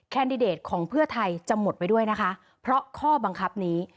แนตของเพื่อไทยจะหมดไปด้วยนะคะเพราะข้อบังคับนี้